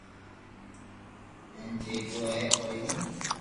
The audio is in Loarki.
ھي ھين گيو ھي ڪوئي ني